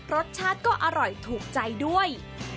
รสชาติก็อร่อยถูกใจด้วย